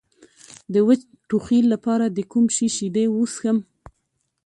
د وچ ټوخي لپاره د کوم شي شیدې وڅښم؟